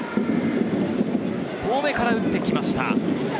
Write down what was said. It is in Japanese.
遠めから打ってきました。